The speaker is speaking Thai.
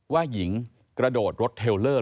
ว่าหญิงกระโดดรถเทลเลอร์